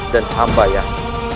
dan hamba yang